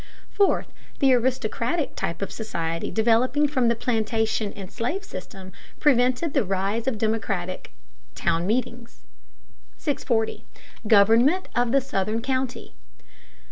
Fourth, the aristocratic type of society developing from the plantation and slave system prevented the rise of the democratic town meeting. 640. GOVERNMENT OF THE SOUTHERN COUNTY.